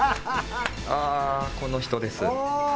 この人です！